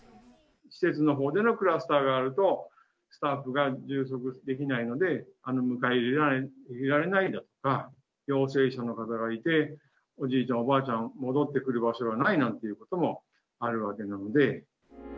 施設のほうでのクラスターがあると、スタッフが充足できないので、迎え入れられないだとか、陽性者の方がいて、おじいちゃん、おばあちゃん、戻ってくる場所がないなんていうこともあるわけなんで。